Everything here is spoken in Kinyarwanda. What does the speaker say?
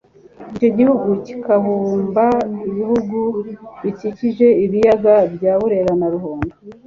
Icyo gihugu kikabumba ibihugu bikikije ibiyaga bya Burera na Ruhondo